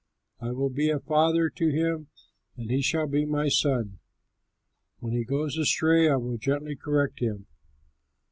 I will be a father to him, and he shall be my son. When he goes astray I will gently correct him.